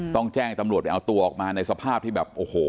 ต้องแจ้งตำรวจไปเอาตัวออกมาในสภาพที่แบบโอ้โห